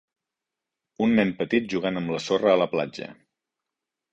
Un nen petit jugant amb la sorra a la platja.